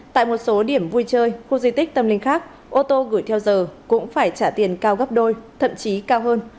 tại một số điểm vui chơi khu di tích tâm linh khác ô tô gửi theo giờ cũng phải trả tiền cao gấp đôi thậm chí cao hơn